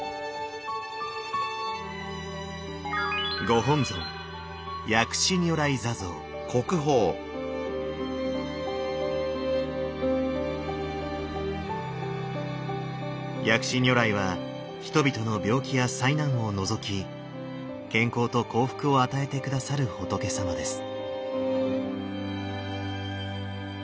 ご本尊薬師如来は人々の病気や災難を除き健康と幸福を与えて下さる仏様です。